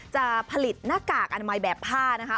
จะผลิตหน้ากากอนามัยแบบผ้านะคะ